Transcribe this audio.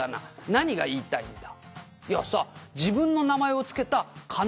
何が言いたいんだ？」